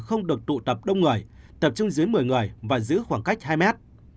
không được tụ tập đông người tập trung dưới một mươi người và giữ khoảng cách hai mét